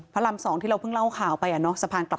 ลำสองที่เราเพิ่งเล่าข่าวไปสะพานกลับ